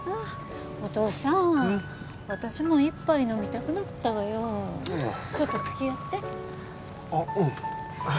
お父さん私も一杯飲みたくなったがよちょっとつきあってあうん